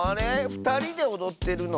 ふたりでおどってるの？